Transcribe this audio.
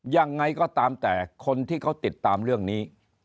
ยังไงก็ตามแต่คนที่เขาติดตามเรื่องนี้